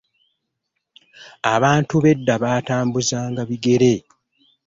Abantu b'edda baatambuzanga bigere.